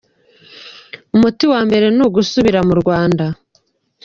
Umuti wa mbere ni ugusubira mu Rwanda.